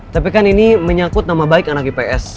tapi kan ini menyangkut nama baik anak ips